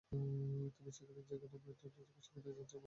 তুমি যেখানে আছ সেই মোটেলে সকল এজেন্ট জমা হয়েছ।